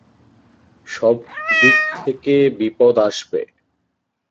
সব দিক থেকে বিপদ আসবে।